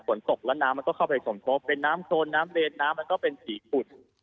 ฝนตกแล้วน้ำมันก็เข้าไปสมทบเป็นน้ำโครนน้ำเลนน้ำมันก็เป็นสีขุด